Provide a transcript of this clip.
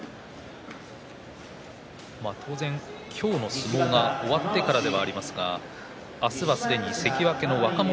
当然、今日の相撲が終わってからではありますが明日はすでに関脇の若元